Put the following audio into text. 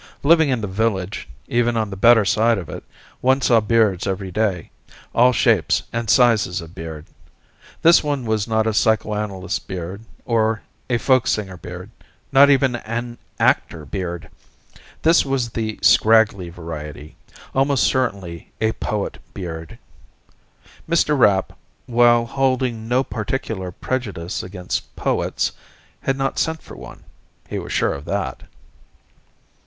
Living in the Village, even on the better side of it, one saw beards every day, all shapes and sizes of beard. This one was not a psychoanalyst beard, or a folk singer beard; not even an actor beard. This was the scraggly variety, almost certainly a poet beard. Mr. Rapp, while holding no particular prejudice against poets, had not sent for one, he was sure of that.